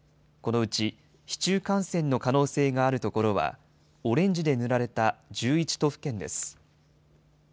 このうち、市中感染の可能性がある所は、オレンジで塗られた１１都府県です。